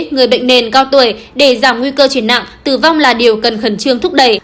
người bệnh nền cao tuổi để giảm nguy cơ chuyển nặng tử vong là điều cần khẩn trương thúc đẩy